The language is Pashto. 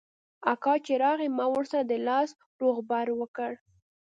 اکا چې راغى ما ورسره د لاس روغبړ وکړ.